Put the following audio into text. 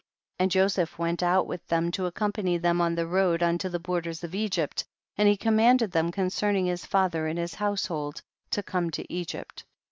87. And Joseph went out with them to accompany them on the road unto the borders of Egypt, and he commanded them concerning his fa ther and his household, to come to Egypt.